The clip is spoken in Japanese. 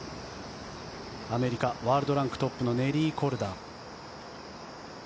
アメリカワールドランクトップのネリー・コルダ。